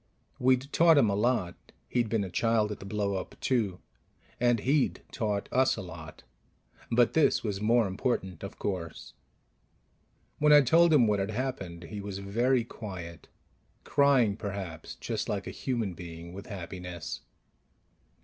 We'd taught him a lot he'd been a child at the blow up, too and he'd taught us a lot. But this was more important, of course. When I told him what had happened, he was very quiet; crying, perhaps, just like a human being, with happiness.